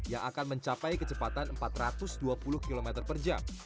yang akan mencapai kecepatan empat ratus dua puluh km per jam